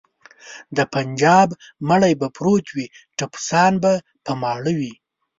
د بنجاب مړی به پروت وي ټپوسان به په ماړه وي.